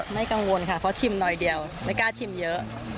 กังวลค่ะเพราะชิมหน่อยเดียวไม่กล้าชิมเยอะ